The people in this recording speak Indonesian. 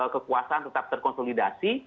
kekuasaan tetap terkonsolidasi